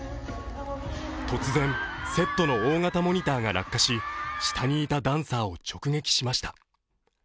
突然、セットの大型モニターが落下し、下にいたダンサーを直撃しました。